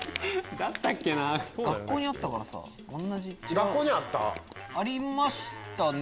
学校にあった？ありましたね。